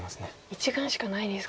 １眼しかないですか。